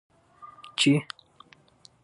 چې: